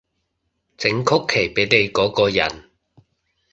整曲奇畀你嗰個人